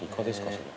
それ。